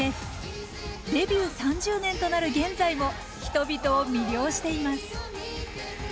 デビュー３０年となる現在も人々を魅了しています。